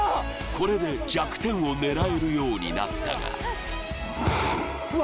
これで弱点を狙えるようになったがうわ